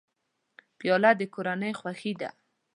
پیاله د کورنۍ خوښي ده.